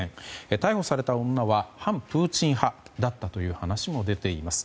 逮捕された女は反プーチン派だったという話も出ています。